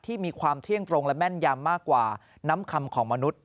มีความเที่ยงตรงและแม่นยำมากกว่าน้ำคำของมนุษย